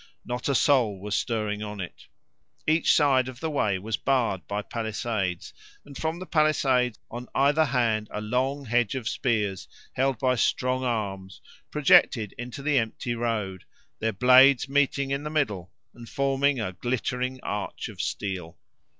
Not a soul was stirring on it. Each side of the way was barred by palisades, and from the palisades on either hand a long hedge of spears, held by strong arms, projected into the empty road, their blades meeting in the middle and forming a glittering arch of steel.